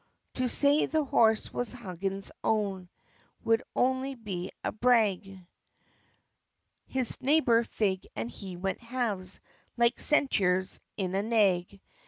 To say the horse was Huggins' own, Would only be a brag; His neighbor Fig and he went halves, Like Centaurs, in a nag.